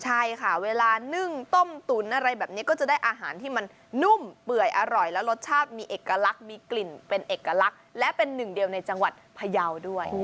ใช่ค่ะเวลานึ่งต้มตุ๋นอะไรแบบนี้ก็จะได้อาหารที่มันนุ่มเปื่อยอร่อยและรสชาติมีเอกลักษณ์มีกลิ่นเป็นเอกลักษณ์และเป็นหนึ่งเดียวในจังหวัดพยาวด้วย